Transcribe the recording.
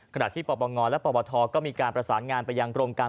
ขณะที่ปรบอ๋องอนและปรบอโถก็มีการประสานงานไปยังกลมการปกครอง